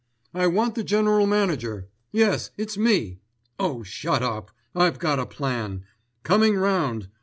I want the general manager. Yes; it's me. Oh, shut up! I've got a plan. Coming round.